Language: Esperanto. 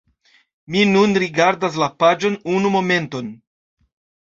Mi nun rigardas la paĝon unu momenton